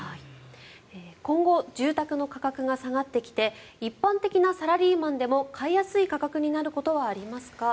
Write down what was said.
今後住宅の価格が下がってきて一般的なサラリーマンでも買いやすい価格になることはありますか？